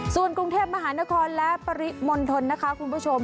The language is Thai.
ส่วนกรุงเทพมหานครและปริมณฑลนะคะคุณผู้ชม